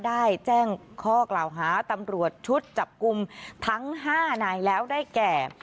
ได้แจ้งข้อกล่าวหาตำรวจชุดจับกลุ่มทั้ง๕นายแล้วได้แก่